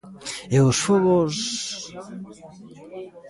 E os fogos...